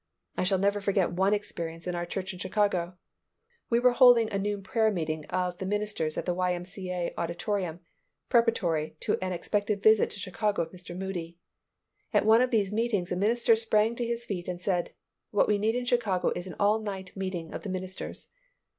I shall never forget one experience in our church in Chicago. We were holding a noon prayer meeting of the ministers at the Y. M. C. A. Auditorium, preparatory to an expected visit to Chicago of Mr. Moody. At one of these meetings a minister sprang to his feet and said, "What we need in Chicago is an all night meeting of the ministers."